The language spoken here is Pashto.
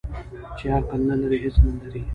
ـ چې عقل نه لري هېڅ نه لري.